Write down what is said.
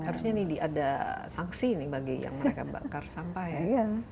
jadi ini tadi ada sanksi bagi yang mereka bakar sampah ya